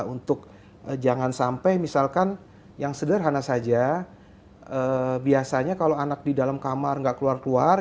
untuk jangan sampai misalkan yang sederhana saja biasanya kalau anak di dalam kamar gak keluar keluar